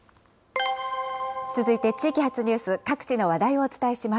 続いて地域発ニュース、各地の話題をお伝えします。